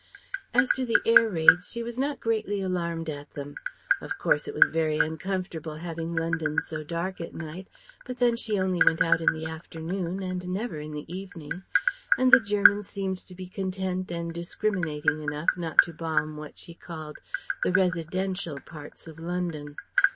As to the air raids, she was not greatly alarmed at them. Of course it was very uncomfortable having London so dark at night, but then she only went out in the afternoon, and never in the evening. And the Germans seemed to be content and discriminating enough not to bomb what she called "the resi_den_tial" parts of London.